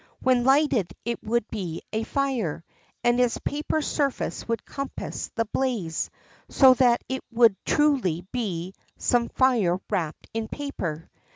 When lighted it would be a fire, and its paper surface would compass the blaze, so that it would truly be "some fire wrapped in paper."